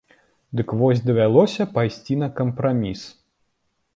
Дык вось давялося пайсці на кампраміс.